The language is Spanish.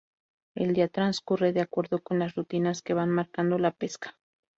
El día transcurre de acuerdo con las rutinas que va marcando la pesca.